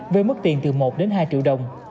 với mức tiền từ một hai triệu đồng